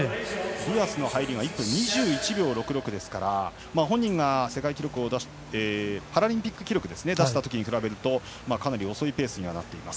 ディアスの入りが１分２１秒６６ですから本人がパラリンピック記録を出したときと比べるとかなり遅いペースになっています。